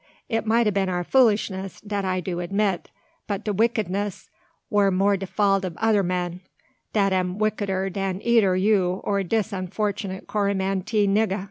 It mite a been our foolishness, dat I do admit; but de wickedness war more de fault ob oder men, dat am wickeder dan eider you or dis unfortunate Coromantee nigga."